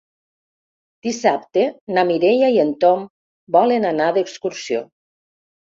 Dissabte na Mireia i en Tom volen anar d'excursió.